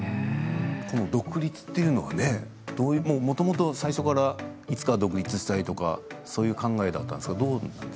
独立というのはもともと最初からいつか独立したいとかそういう考えだったんですか。